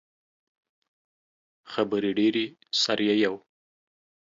خبرې ډیرې سر ئې یؤ